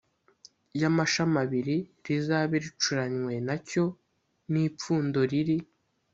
Y amashami abiri rizabe ricuranywe na cyo n ipfundo riri